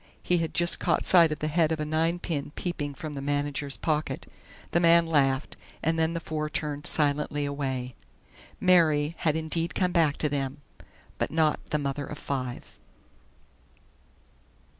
He had just caught sight of the head of a ninepin peeping from the manager's pocket. The man laughed, and then the four turned silently away. "Mary" had indeed come back to them; but not "The Mother of Five!"